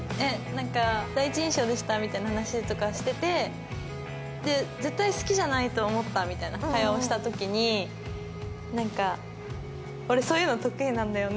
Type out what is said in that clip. なんか「第一印象でした」みたいな話とかしてて「絶対好きじゃないと思った」みたいな会話をした時になんか「俺そういうの得意なんだよね」。